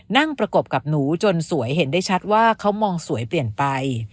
ประกบกับหนูจนสวยเห็นได้ชัดว่าเขามองสวยเปลี่ยนไป